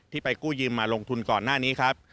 ไปกู้ยืมมาลงทุนก่อนหน้านี้ครับ